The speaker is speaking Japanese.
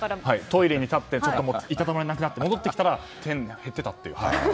トイレに立っていたたまれなくなって戻ってきたら点が減っていたという。